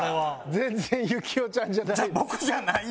全然行雄ちゃんじゃない。